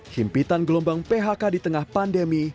himpitan gelombang phk di tengah pandemi